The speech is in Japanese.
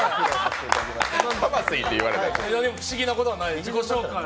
不思議なことはない、自己紹介。